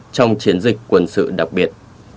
trong chiến dịch quân sự đặc biệt